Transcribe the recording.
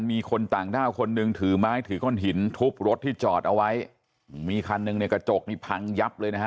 มีคนต่างด้าวคนหนึ่งถือไม้ถือก้อนหินทุบรถที่จอดเอาไว้มีคันหนึ่งในกระจกนี่พังยับเลยนะฮะ